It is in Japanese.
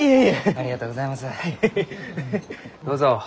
ありがとうございます。